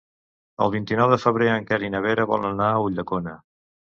El vint-i-nou de febrer en Quer i na Vera volen anar a Ulldecona.